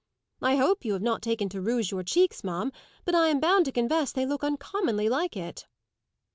"I hope you have not taken to rouge your cheeks, ma'am, but I am bound to confess they look uncommonly like it."